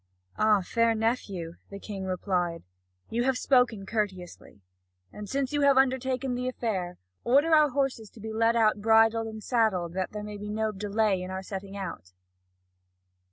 "Ah, fair nephew," the King replied, "you have spoken courteously. And since you have undertaken the affair, order our horses to be led out bridled and saddled that there may be no delay in setting out."